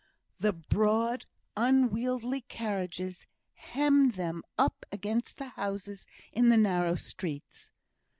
The broad unwieldy carriages hemmed them up against the houses in the narrow streets.